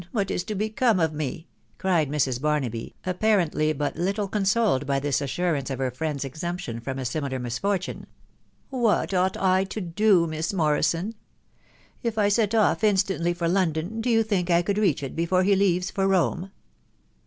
what is to become of me ?" cried Mrs. Barnaby, apparently but little consoled by this assurance of her friend's exemption from a similar misfortune ;" what ought I to do, Miss Morrison ?.... If I set off instantly for London, do you think I could reach it before he leaves it for Rome